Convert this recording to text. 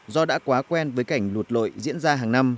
do đã quá quen với cảnh lụt lội diễn ra hàng năm